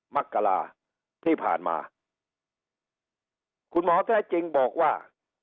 มักกราที่ผ่านมาคุณหมอแท้จริงบอกว่า